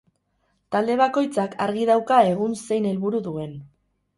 Talde bakoitzak argi dauka egun zein helburu duen.